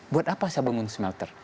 buat apa saya bangun smelter